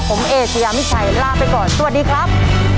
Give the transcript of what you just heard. ผมเอเชยามิชัยลาไปก่อนสวัสดีครับ